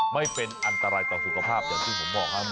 ไม่เป็นอันตรายต่อสุขภาพเหมือนที่ผมบอกฮะ